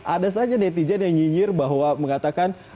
ada saja netizen yang nyinyir bahwa mengatakan